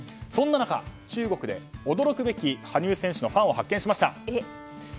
そんな中、中国で驚くべき羽生選手のファンを発見しました。